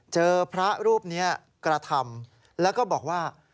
เจอพระรูปนี้กระทำแล้วก็บอกว่า